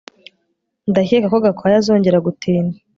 Ndakeka ko Gakwaya azongera gutinda